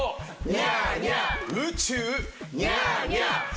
ニャーニャー。